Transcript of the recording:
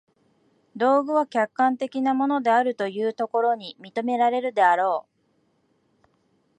道具は客観的なものであるというところに認められるであろう。